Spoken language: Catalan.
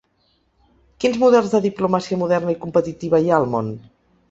Quins models de diplomàcia moderna i competitiva hi ha al món?